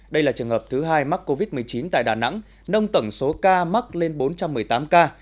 đây là trường hợp thứ hai mắc covid một mươi chín tại đà nẵng nâng tổng số ca mắc lên bốn trăm một mươi tám ca